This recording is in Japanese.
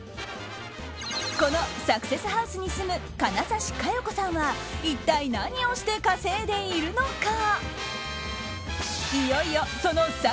このサクセスハウスに住む金指加代子さんは一体、何をして稼いでいるのか。